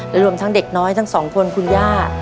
และรวมทั้งเด็กน้อยทั้งสองคนคุณย่า